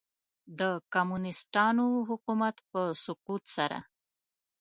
د کمونیسټانو حکومت په سقوط سره.